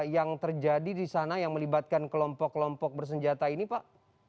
yang terjadi di sana yang melibatkan kelompok kelompok bersenjata ini pak